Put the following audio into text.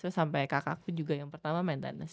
terus sampe kakakku juga yang pertama main tenis